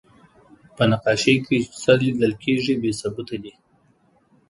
په نقاشۍ کې چې څه لیدل کېږي، بې ثبوته دي.